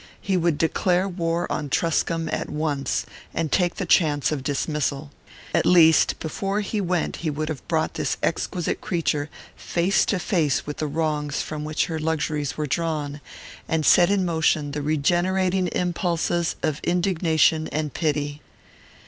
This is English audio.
He would declare war on Truscomb at once, and take the chance of dismissal. At least, before he went he would have brought this exquisite creature face to face with the wrongs from which her luxuries were drawn, and set in motion the regenerating impulses of indignation and pity.